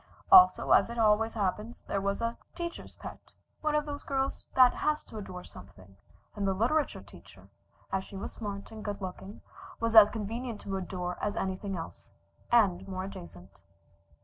Also, as always happens, there was a "teacher's pet," one of those girls that has to adore something, and the literature teacher, as she was smart and good looking, was as convenient to adore as anything else, and more adjacent.